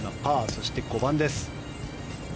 そして５番です。